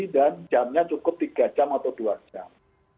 dan jamnya cukup tiga jam atau dua jam